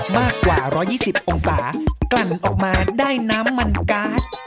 มากกว่า๑๒๐องศากลั่นออกมาได้น้ำมันการ์ด